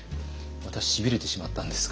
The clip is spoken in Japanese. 私しびれてしまったんですが。